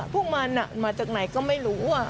พวกมันมาจากไหนก็ไม่รู้